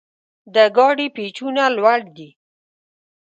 د ګاډي پېچونه لوړ دي.